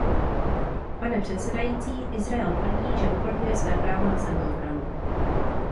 Pane předsedající, Izrael tvrdí, že uplatňuje své právo na sebeobranu.